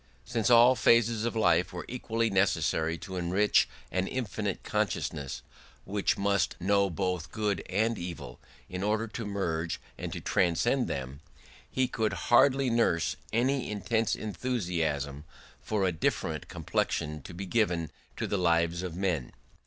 Since all phases of life were equally necessary to enrich an infinite consciousness, which must know both good and evil in order to merge and to transcend them, he could hardly nurse any intense enthusiasm for a different complexion to be given to the lives of men.